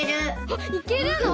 あっいけるの？